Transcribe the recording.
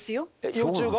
幼虫が？